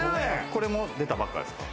これも出たばっかですか？